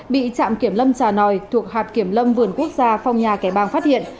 bị trạm kiểm lâm trà nòi thuộc hạt kiểm lâm vườn quốc gia phong nha kẻ bàng phát hiện